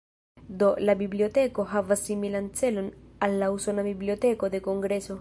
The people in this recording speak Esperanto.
Do, la biblioteko havas similan celon al la usona Biblioteko de Kongreso.